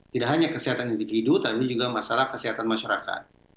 tidak hanya kesehatan individu tapi juga masalah kesehatan masyarakat